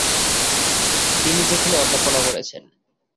তিনি সেখানে অধ্যাপনা করেছেন ।